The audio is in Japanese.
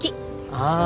ああ。